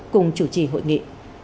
cùng chủ trì hội nghị